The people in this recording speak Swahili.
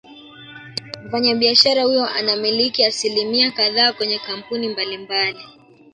Mfanyabiashara huyo anamiliki asilimia kadhaa kwenye kampuni mbali mbali